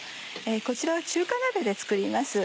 こちらは中華鍋で作ります。